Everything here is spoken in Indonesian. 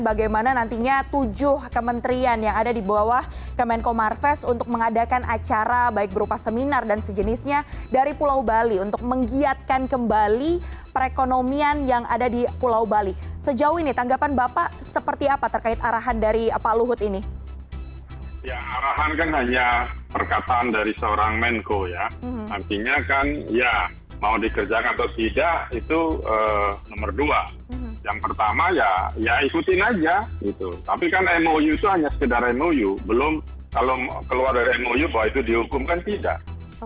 bidang atau tidak itu nomor dua yang pertama ya ikutin aja tapi kan mou itu hanya sekedar mou kalau keluar dari mou bahwa itu dihukumkan tidak